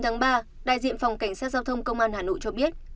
sáng một mươi chín tháng ba đại diện phòng cảnh sát giao thông công an hà nội cho biết